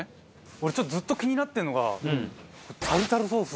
俺ちょっとずっと気になってるのがタルタルソース。